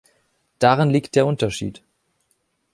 Darin liegt der Unterschied.